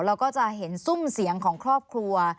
แล้วก็จะเห็นซุ่มเสียงของครอบครัว